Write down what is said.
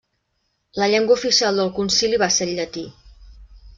La llengua oficial del concili va ser el llatí.